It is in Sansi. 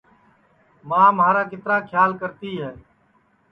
ماں مھارا کِترا کھیال کرتی ہے